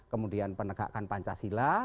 kemudian penegakan pancasila